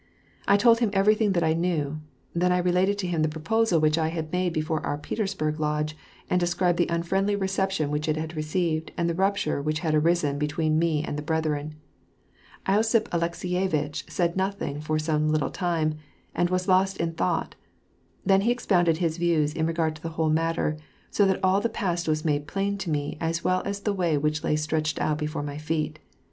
I told hiiu everything tliat I knew; then I related to htm the proposal which I had made before our Petersburg Lodge, and described the unfriendly reception which it had received" and the rupture which had arisen be tween me and the brethren. losiph Alekseyevitch said nothing for some little time, and was lost in thought; then he expounded his views in regard to the whole matter, so that all the past was made plain to me as well as the way which lay stretched out before my feet.